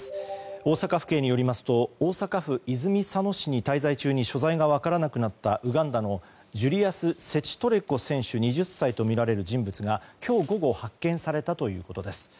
大阪府警によりますと大阪府泉佐野市に滞在中に所在が分からなくなったウガンダのジュリアス・セチトレコ選手２０歳とみられる人物が今日午後発見されたということです。